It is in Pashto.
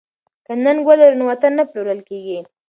که ننګ ولرو نو وطن نه پلورل کیږي.